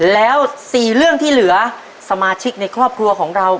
แล้ว๔เรื่องที่เหลือสมาชิกในครอบครัวของเรา